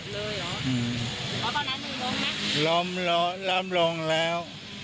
อ๋อตอนนั้นมีล้มไหมล้มล้มล้มลงแล้ว